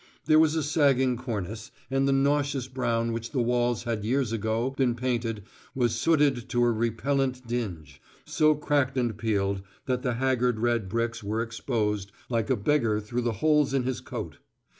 There was a sagging cornice, and the nauseous brown which the walls had years ago been painted was sooted to a repellent dinge, so cracked and peeled that the haggard red bricks were exposed, like a beggar through the holes in his coat.